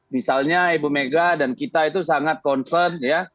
misalnya ibu mega dan kita itu sangat concern ya